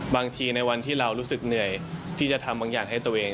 บางทีในวันที่เรารู้สึกเหนื่อยที่จะทำบางอย่างให้ตัวเอง